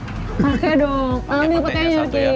pakai dong ambil petainya